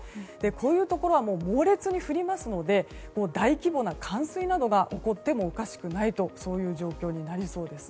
こういうところは猛烈に降りますので大規模な冠水などが起こってもおかしくないそういう状況になりそうです。